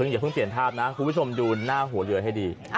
อย่าเพิ่งเสี่ยทัพนะครูวิศมดูหน้าหัวเรือให้ดี